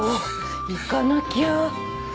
行かなきゃ。